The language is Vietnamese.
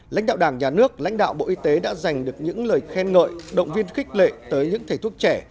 lãnh đạo đảng nhà nước lãnh đạo bộ y tế đã giành được những lời khen ngợi động viên khích lệ tới những thầy thuốc trẻ